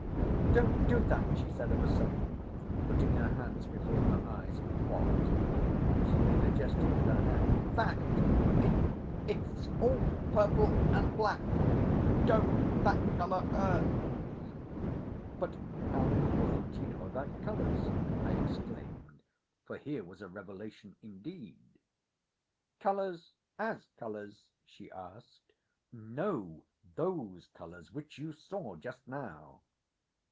"Don't do that!" she said of a sudden, putting her hands before her eyes. "What?" She made a gesture with her hand. "That! It's—it's all purple and black. Don't! That colour hurts." "But, how in the world do you know about colours?" I exclaimed, for here was a revelation indeed. "Colours as colours?" she asked. "No. Those Colours which you saw just now."